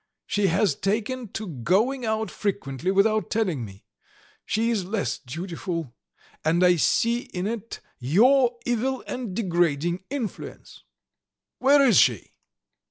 She has taken to going out frequently without telling me; she is less dutiful and I see in it your evil and degrading influence. Where is she?"